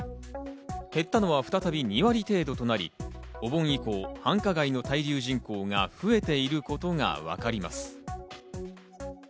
減ったのは再び２割程度となり、お盆以降、繁華街の滞留人口が増えていることがわかります。